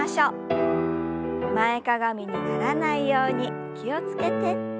前かがみにならないように気を付けて。